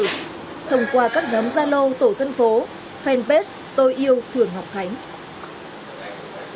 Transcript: thông qua các nhóm zalo tổ dân phố fanpage tôi yêu phường ngọc khánh